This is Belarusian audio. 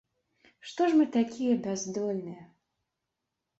Што ж мы за такія бяздольныя?